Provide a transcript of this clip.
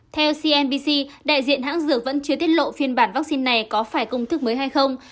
theo cnbc đại diện hãng dược vẫn chưa tiết lộ phiên bản vaccine này có phải công thức mới hay không